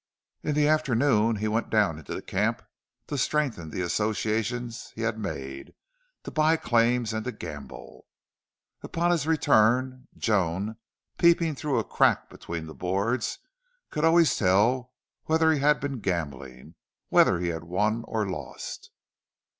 In the afternoon he went down into camp to strengthen the associations he had made, to buy claims, and to gamble. Upon his return Joan, peeping through a crack between the boards, could always tell whether he had been gambling, whether he had won or lost.